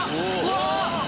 うわ！